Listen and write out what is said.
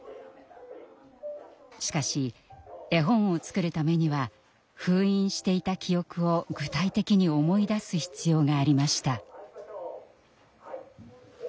しかし絵本を作るためには封印していた記憶を具体的に思い出す必要がありました。